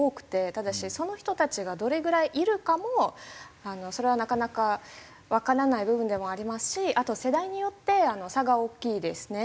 ただしその人たちがどれぐらいいるかもそれはなかなかわからない部分でもありますしあと世代によって差が大きいですね。